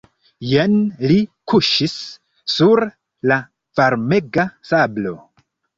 Jen li kuŝis sur la varmega sablo.